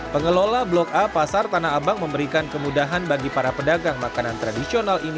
pengelola blok a pasar tanah abang memberikan kemudahan bagi para pedagang makanan tradisional ini